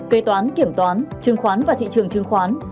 kế toán kiểm toán trương khoán và thị trường trương khoán